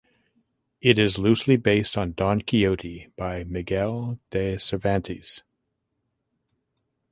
It is loosely based on Don Quixote by Miguel de Cervantes.